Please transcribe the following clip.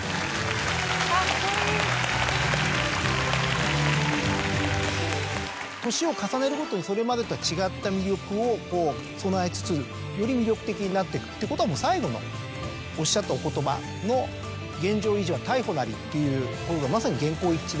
・カッコいい・年を重ねるごとにそれまでとは違った魅力を備えつつより魅力的になってくってことは最後のおっしゃったお言葉の「現状維持は退歩なり」っていうことがまさに言行一致で。